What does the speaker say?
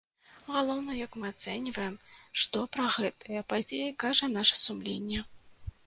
Галоўнае, як мы ацэньваем, што пра гэтыя падзеі кажа наша сумленне.